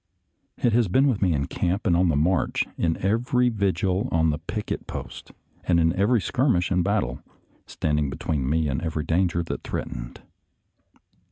It has been with me in camp and on the march, in every vigil on the picket post, and in every skirmish and battle, standing between me and every danger that threatened.